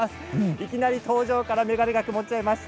いきなり登場から眼鏡が曇っちゃいました。